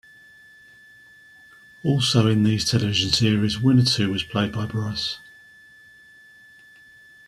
Also in these television series, Winnetou was played by Brice.